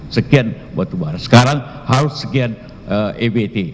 sekian batubara sekarang harus sekian ebt